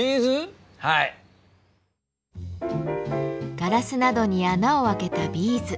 ガラスなどに穴を開けたビーズ。